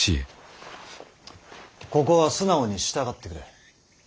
ここは素直に従ってくれ。